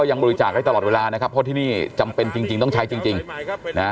อยากให้ตลอดเวลานะครับเพราะที่นี่จำเป็นจริงต้องใช้จริงนะ